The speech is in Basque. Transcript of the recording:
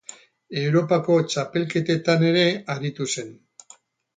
Europako txapelketetan ere aritu zen.